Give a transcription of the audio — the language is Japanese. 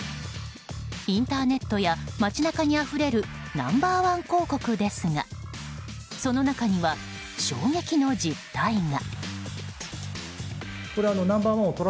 インターネットや街中にあふれるナンバー１広告ですがその中には、衝撃の実態が。